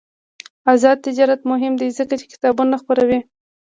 آزاد تجارت مهم دی ځکه چې کتابونه خپروي.